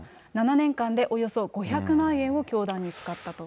７年間でおよそ５００万円を教団に使ったと。